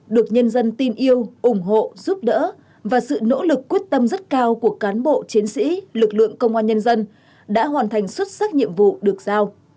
được nhân dân tin yêu ủng hộ giúp đỡ và sự nỗ lực quyết tâm rất cao của cán bộ chiến sĩ lực lượng công an nhân dân đã hoàn thành xuất sắc nhiệm vụ được giao